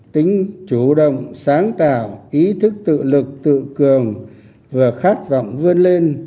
tính chủ động sáng tạo ý thức tự lực tự cường vừa khát vọng vươn lên